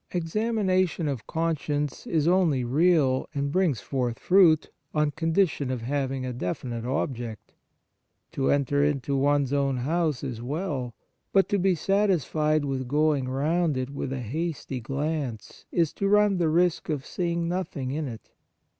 Examination of conscience is only real, and brings forth fruit, on con dition of having a definite object. To enter into one s own house is well ; but to be satisfied with going round it with a hasty glance is to run the risk of seeing nothing in it.